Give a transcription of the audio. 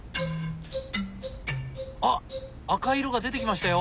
あっ赤い色が出てきましたよ！